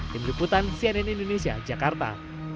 tim liputan cnn indonesia jakarta